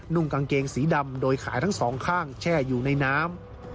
่งกางเกงสีดำโดยขาทั้งสองข้างแช่อยู่ในน้ำ